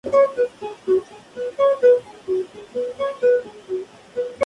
La Fundación Konex ha editado “El Libro de los Premios Konex.